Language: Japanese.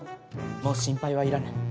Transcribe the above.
もう心配はいらぬ。